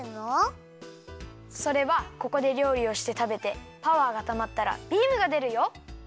それはここでりょうりをしてたべてパワーがたまったらビームがでるよ。